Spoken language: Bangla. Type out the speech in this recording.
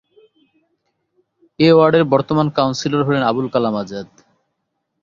এ ওয়ার্ডের বর্তমান কাউন্সিলর হলেন আবুল কালাম আজাদ।